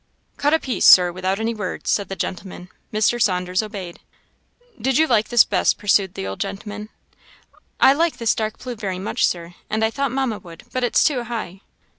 "Cut a piece, Sir, without any words," said the gentleman. Mr. Saunders obeyed. "Did you like this best?" pursued the old gentleman. "I like this dark blue very much, Sir, and I thought Mamma would; but it's too high."